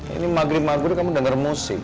ini maghrib maghrib kamu dengar musik